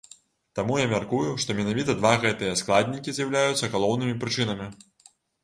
Таму я мяркую, што менавіта два гэтыя складнікі з'яўляюцца галоўнымі прычынамі.